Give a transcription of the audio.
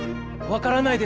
分からない